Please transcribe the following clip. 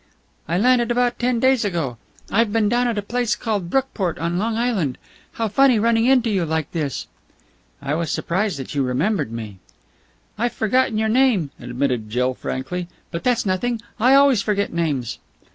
"I landed about ten days ago. I've been down at a place called Brookport on Long Island. How funny running into you like this!" "I was surprised that you remembered me." "I've forgotten your name," admitted Jill frankly. "But that's nothing. I always forget names."